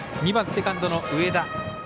２番、セカンドの上田。